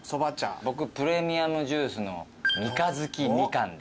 僕プレミアムジュースの三ヶ日みかんで。